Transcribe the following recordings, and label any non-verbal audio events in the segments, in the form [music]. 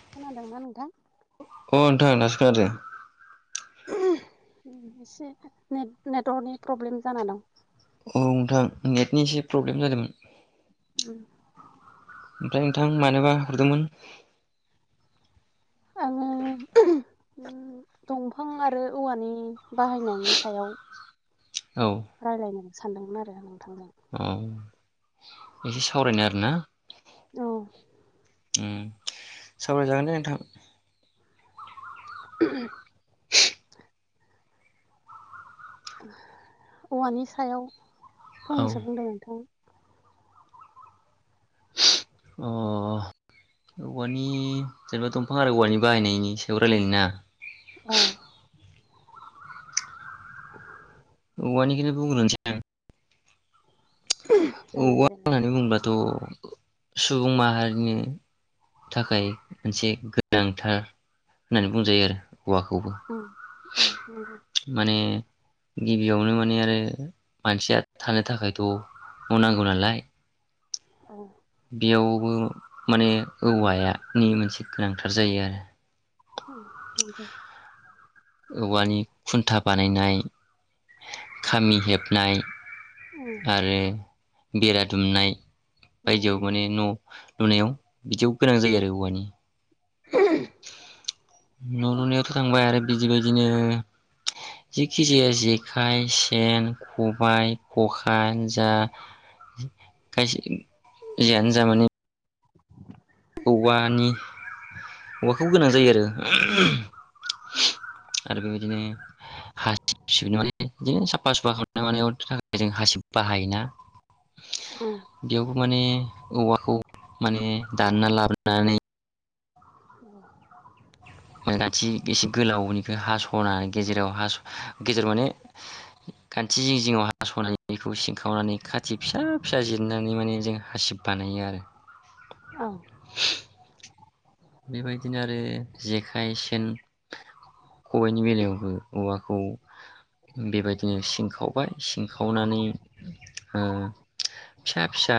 खोनादोंना नोंथां अ नोंथां दासो खोनादों, एसे ने नेटवर्कनि प्रब्लेम जाना दं। औ नोंथां नेटनि एसे प्रब्लेम जादोंमोन, उम ओमफ्राय नोंथां मानोबा हरदोंमोन, आङो, उम दंफां आरो औवानि, बाहायनायनि सायाव औ रायलायनो सानदोंमोन आरो आं औ एसे सावरायनो आरो ना, औ ओम सावरायजागोन दे नोंथां औवानि सायाव, औ फंनैसो बुंदों नोंथां, अ औवानि जेनेबा दंफां आरो औवानि बाहायनायनि सायाव रायलायनो ना, औ औवानिखौनो बुंग्रोनोसै आं जागोन औवा दे नोंथां, होननानै बुङोब्लाथ' सुबुं माहारिनि थाखाय मोनसे गोनांथार होननानै बुंजायो आरो हौवाखौबो उम उम नंगौ माने गिबियावनो माने आरो मानसिया थानो थाखायथ मावनांगौ नालाय औ बेयावबो माने औवाया नि मोनसे गोनांथार जायो आरो औ नंगौ औवानि खुन्था बानायनाय खामि हेबनाय उम आरो बेरा दुमनाय बेरा बायदियाव दुमनाय माने न लुनायाव बिदियाव गोनां जायो आरो औवानि उम न लुनायावथ थांबाय आरो बिदिबायदिनो जिखि जाया जेखाइ सेन खबायाइ खखा यानो जा खायसे जियानो जा माने औवानि औवाखौ गोनां जायो आरो आरो बेबायदिनो हासिब बिदिनो साफा सुफा खालामनाय नि थाखाय जों हासि बाहायोना औ बेयावबो माने औवाखौ माने दानना लाबोनानै औ गान्थि एसे गोलावनिफ्रा हासनानै गेजेराव हास गेजेराव माने खान्थि जिं जिङाव हासनानै बेखौ सिनखावनानै खाथि फिसा फिसा जिरनानै माने जों हासिब बानायो आरो औ बेबायदिनो आरो जेखाइ सेन खबाइनि बेलायावबो औवाखौ बेबायदिनो सिंखावबाय सिंखावनानै ओ फिसा फिसा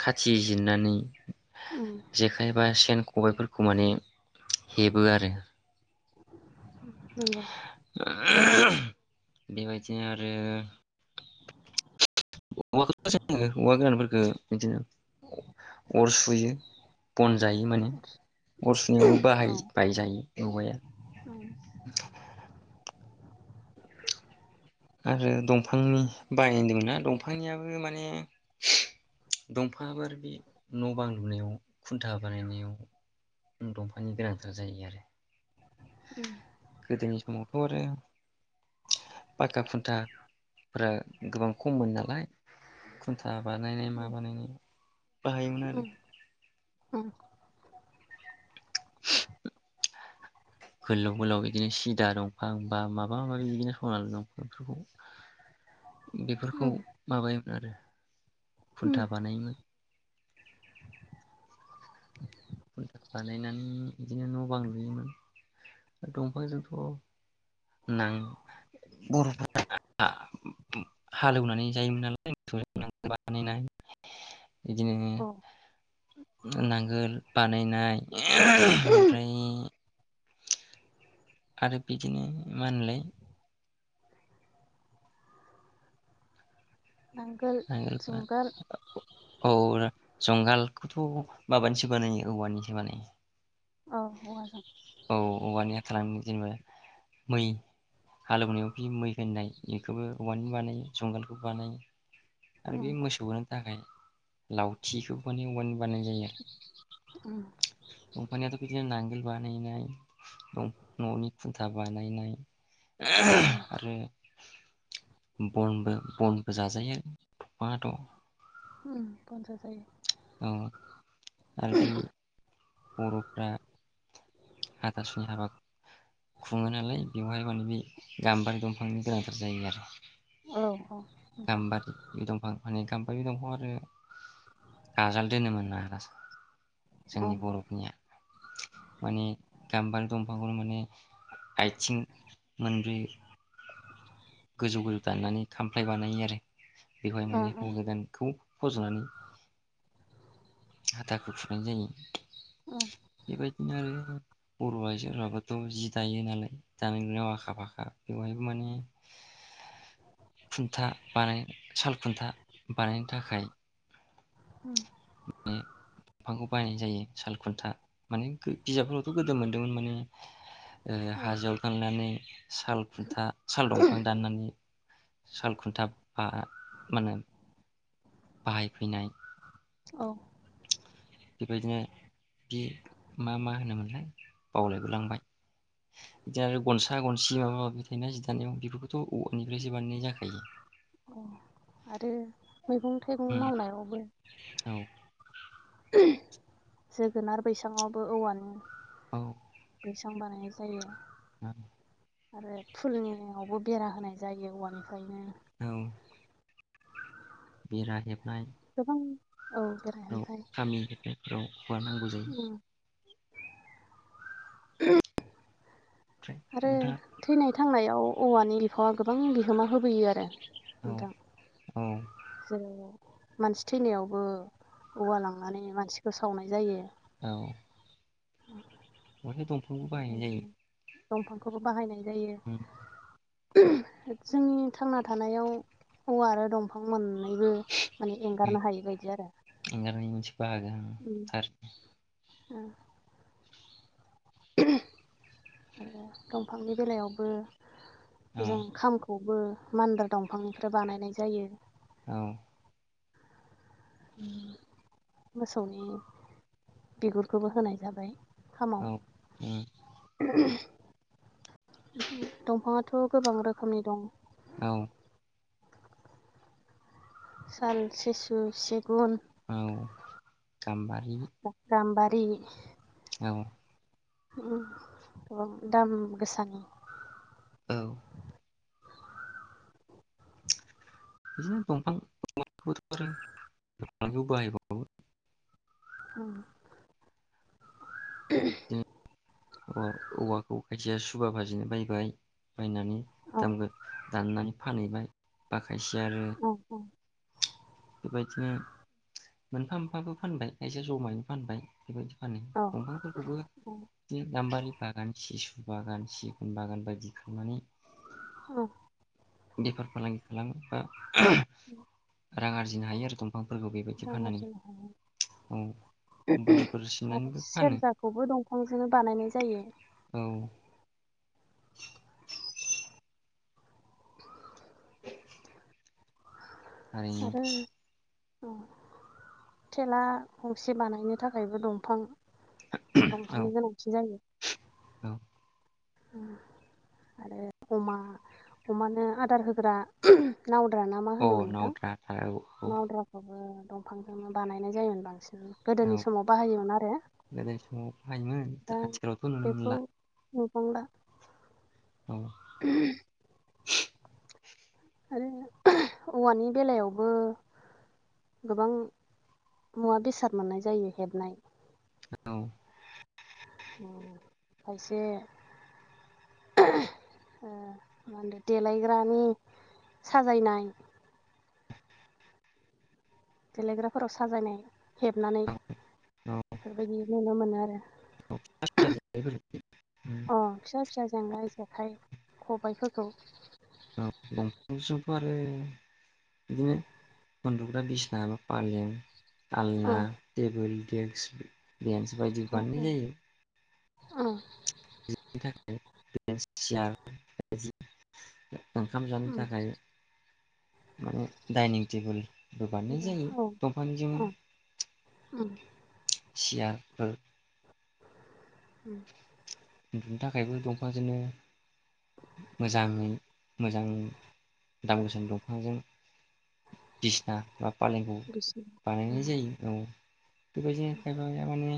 खाथि जिरनानै उम जेखायबा खबायफोरखौ माने हेबो आरो नंगौ बेबायदिनो आरो औवाखौथजोङो औवा गोरानफोरखौ बिदिनो अर सुयो बन जायो माने अर सुनायावबो औ बाहाय बाय जायो एवाया उम आरो दंफांनि बायदोंमोन ना दंफांनियाबो माने दंफाङाबो बे नबांलुनायाव खुन्था बानायनायाव दंफांनि गोनांथार जायो आरो उम गोदोनि समावथ आरो फाका खुन था फोरा गोबां खममोन नालाय खुन्था बानायनाय मा उम बानायनाय बाहायोमोन आरो उम उम गोलाव गोलाव बिदिनो सिदा दंफां बा माबा माबि बिदिनो सना दंफां फोरखौ बेफोरखौ उम माबायोब्ला आरो उम खुन्था बानायोमोन खुन्था बानायनानै बिदिनो न' बां लुयोमोन दंफांजोंथ' नां बर'फोरा हालेवनानै जायोमोन नालाय [unintelligible] बानायनाय इदिनो औ नांगोल बानायनाय ओमफ्राय आरो बिदिनो मा होनो मोनलाय नांगोल औ जंगालखौथ' माबानिसो बानायो औवानिसो बानायो। औ औवा जों औ औवानिया थालांदोंमोन जेनेबा मै हालेवनायाव बि मै होननाय इखौबो औवानि बानायो जुंगालखौबो बानायो। आरो उम बे मोसौ बोनो थाखाय लावथिखौ माने औवानि बानायनाय जायो उम आरो दंफानियाथ' बिदिनो नांगोल बा नायनाय न'नि खुन्था बानायनाय उम आरो बनबो बनबो जाजायो दंफाङाथ' उम बन जा जायो। औ आरोखि बर'फ्रा हाथासुनि हाबा खुङो नालाय बेवहाय माने बे गाम्बारि दंफांनि गोनांथार जायो आरो औ औ नोंथां गाम्बारि बे दंफां माने गामबारि दफां आरो गाजोल दोनोमोना जोंनि उम बर'फोरनिया माने गाम्बारि दंफांखौनो माने आथिं मोनब्रै गोजौ गोजौ दाननानै खामफ्लाय बानायो आरो बेवहाय उम माने उम हौवा गोदानखौ फजनानै हाथाखौ थुनाय जायो। उम बेबायदिनो आरो बर' आइजोफोराबोथ' जि दायो नालाय दानाय लुनायाव आखा फाखा बेवहायबो माने खुन्था बानाय साल गुन्था बानायनो थाखाय उम बायनाय जायो साल खुन्था माने बिजाबफोरावथ' गोदो मोनदोंमोन माने ओरै औ हाजोआव थांनानै साल खुन्था साल दंफां दाननानै साल खुन्था बाआ मानो बाहायफैनाय। औ। बेबायदिनो बे मा मा होनोमोनलाय बावलायबोलांबाय। अ आरो मैगं थाइगं उम मावनायावबो। औ जोगोनार बैसाङावबो औवानि औ। बैसां बानायनाय जायो। [unintelligible] आरो फुलनियावबो बेरा होनाय जायो औवानिफ्रायनो। औ। बेरा हेबनाय। गोबां औ बेरा औ ओमफ्राय गामि हेनायफोराव हगारनांगौ जायो। उम [unintelligible] ओमफ्राय आरो नोंथाङा थैनाय थांनायाव औवानि बिफावा गोबां बिहोमा होबोयो आरो। औ नोंथां। औ। जेरै मानसि थैनायावबो औवा लांनानै मानसिखौ सावनाय जायो। औ। [unintelligible] बहाय दंफांखौ बाहायनाय बेबायदिनो दंफांखौबो बाहायनाय जायो। जोंनि थांना थानायाव औवा आरो दंफां मोन नैबो माने उम एंगारनो हायै बायदि आरो। एंगारनाय मोनसे बाहागो थार औ। आरो दंफांनि बेलायावबो औ जों खामखौबो। मान्दार दंफांनिफ्राय बानायनाय जायो। औ। उम मोसौनि बिगुरखौबो होनाय जाबाय। खामाव औ उम। दंफाङाथ' गोबां रोखोमनि दं। औ। साल सिसु सिगुन। औ गामबा गामबारि दैनि नंगौ। उम गोबां दाम गोसानि। औ। बिदिनो दंफां दंफांफोर आरो बाहायबावो उम बिदिनो [unintelligible] औ औवाखौ खायसेया सुबा बाजेनो बायबाय बायनानै औ दानगोन दाननानै फानहैबाय बा खायसे आरो औ औ बेबायदिनो मोनफा मोनफाबो फानबाय खायसे जमायैनो फानबाय बेबायदि फानो औ दंफांफोरखौबो औ बिदि गाम्बारि बागान सिसु बागान सिगुन बागान बायदि खालामनानै उम बेफार फालांगि खालामो बा [inaudible] रां आरजिनो हायो आरो दं रां आरजिनो हायो औ बनफोर आरो सिननानैबो फानो सेरजाखौबो दंफांजोंनो बानायनाय जायो औ [unintelligible] [inaudible] थारैनो उम थेला गंसे बानायनो थाखायबो दंफां औ दंफांनि गोनांथि जायो औ उम आरो अमा अमानो आदार होग्रा नावद्रा ना मा होनोमोन अ नोंथां नावद्रा था औ औ नावद्राखौबो दंफांजोंनो बानायनाय जायोमोन बांसिन औ गोदोनि समाव बाहायोमोन आरो गोदो समाव हायोमोन दा आथिखालावथ' नुनो बेखौ मोनला। [unintelligible] औ। उमह। [inaudible] आरो औवानि बेलायावबो गोबां मुवा बेसाद मोननाय जायो हेबनाय। औ। अ खायसे ओ माहोनदो देलायग्रानि साजायनाय गेलेग्राफोराव साजायनाय हेबनानै औ बेफोरबायदि नुनो मोनो आरो उमह अ फिसा फिसा जेंगाय जेखाइ। खबाइफोरखौ औ [unintelligible] आरो बिदिनो उन्दुग्रा बिसनााबा पालें। अ आलना टेबोल देखस बेन्स बायदि अ बानायनाय जायो अ [unintelligible] ओंखाम जानो थाखाय माने डाइनिं टेबोल होबानो जायो औ दंफांनिजों। औ सियारफोर उम उन्दुनो थाखायबो दंफांजोंनो मोजाङै मोजां दाम गोसानि दंफांजों बिसिना बा फालेंखौ बिसोर बानायनाय जायो औ बेबायदिनो खायफाया माने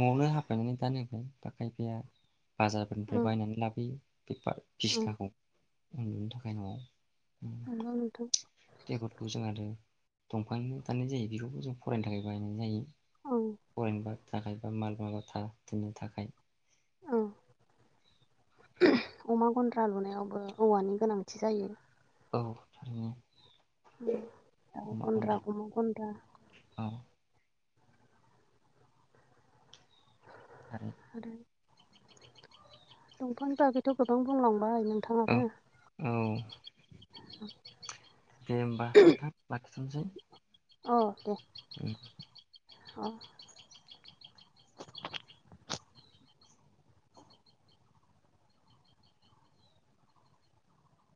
नआवनो [unintelligible] बाजारफोरनिफ्राय बायनानै लाबोयो। [unintelligible] बिसनाखौ उन्दुनो थाखाय नआव [unintelligible] टेबलखौ जों आरो दंफांनि दाननाय जायो बेखौबो जों फरायनो थाखाय बाहायनाय जायो औ फरायनो [unintelligible] थाखाय बा [unintelligible] थाखाय औ अमा गन्द्रा लुनायावबो औवानि गोनांथि जायो औ थारैनो ओ अमा गन्द्रा गन्द्राखौनो गन्द्रा औ आरो दंफांनि बागैथ गोबां बुंलां बाय औ नोंथाङानो औ [inaudible] दे होमबा नोंथां लाखिथनोसै। औ दे ओम अ